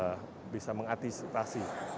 untuk bisa mengaktifkan situasi